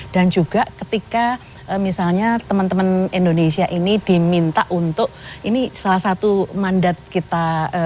dan juga ketika misalnya teman teman indonesia ini diminta untuk ini salah satu mandat kita